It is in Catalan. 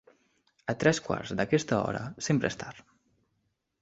A tres quarts d'aquesta hora sempre és tard.